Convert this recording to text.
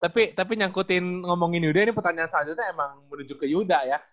tapi nyangkutin ngomongin yuda ini pertanyaan selanjutnya emang menuju ke yuda ya